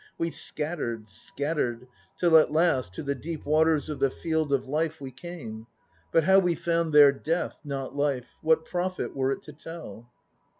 We scattered, scattered; till at last To the deep waters of the Field of Life * We came, but how we found there Death, not Life, What profit were it to tell?